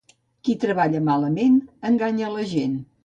Qui treballa malament, enganya la gent.